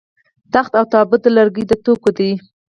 تخت او تابوت د لرګیو توکي دي